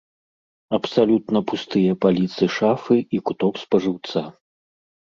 Абсалютна пустыя паліцы шафы і куток спажыўца.